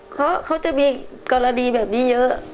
เพราะเขาจะมีกรณีแบบนี้เยอะ